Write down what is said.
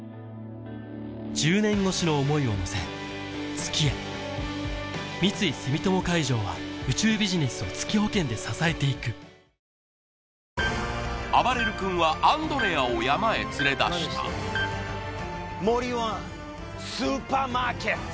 年越しの想いを乗せ月へ三井住友海上は宇宙ビジネスを月保険で支えていくあばれる君はアンドレアを山へ連れ出したスーパーマーケット？